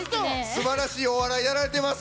すばらしいお笑いやられてます。